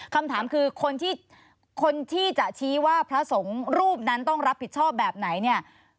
คำถามคือคนที่คนที่จะชี้ว่าพระสงฆ์รูปนั้นต้องรับผิดชอบแบบไหนเนี่ย